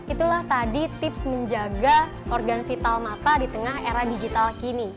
itulah tadi tips menjaga organ vital mata di tengah era digital kini